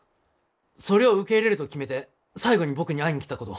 そりょう受け入れると決めて最後に僕に会いに来たこと。